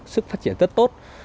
sức phát triển rất tốt